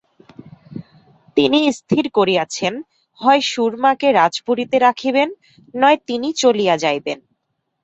তিনি স্থির করিয়াছেন, হয় সুরমাকে রাজপুরীতে রাখিবেন, নয় তিনিও চলিয়া যাইবেন।